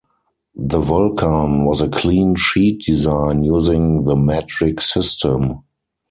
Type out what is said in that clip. The Vulcan was a clean-sheet design using the metric system.